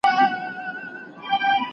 ¬ دا مي سمنډوله ده، برخه مي لا نوره ده.